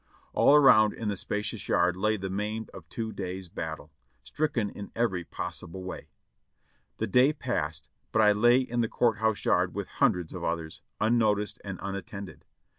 All around in the spacious yard lay the maimed of two days' battle, stricken in every possible way. The day passed, but I lay in the court house yard with hundreds of others, unnoticed and unattended.